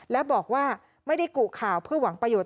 และบอกว่าไม่ได้กุข่าวเพื่อหวังประโยชน